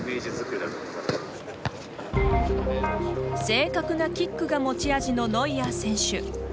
正確なキックが持ち味のノイアー選手。